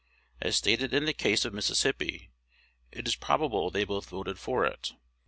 As stated in the case of Mississippi, it is probable they both voted for it.